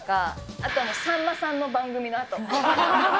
あとはさんまさんの番組のあと。